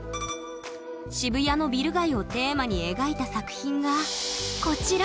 渋谷のビル街をテーマに描いた作品がこちら！